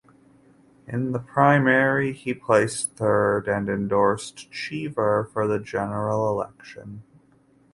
In the primary he placed third and endorsed Cheever for the general election.